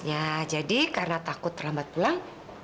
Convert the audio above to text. ya jadi karena takut terlambat pulang